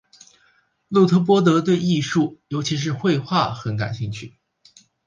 路特波德对艺术尤其是绘画很感兴趣。